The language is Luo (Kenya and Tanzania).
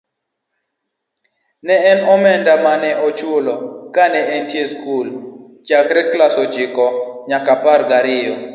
Ne en omenda mane ochulo kane entie skul ckare klass ochiko nyaka apar gariyo.